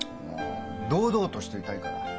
堂々としていたいから。